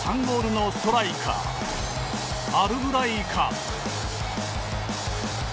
３ゴールのストライカー、アルブライカン。